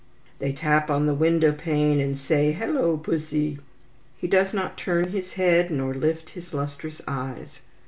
They tap on the window pane, and say, "Halloo, Pussy!" He does not turn his head, nor lift his lustrous eyes.